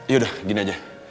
yaudah gini aja